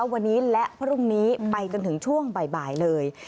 วันนี้และพรุ่งนี้ไปจนถึงช่วงบ่ายเลย